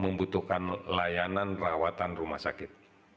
membutuhkan layanan rawatan rumah sakit